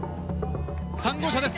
３号車です。